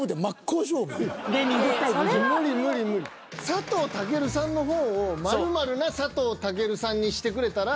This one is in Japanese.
佐藤健さんの方を〇〇な佐藤健さんにしてくれたら。